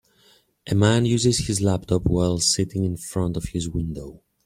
A man uses his laptop while sitting in front of his window.